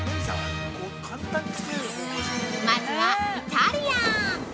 まずはイタリアン。